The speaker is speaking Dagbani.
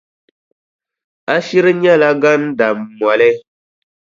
A shiri nyɛla gandammoli.